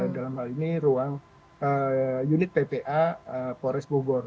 dalam hal ini ruang unit ppa pores bogor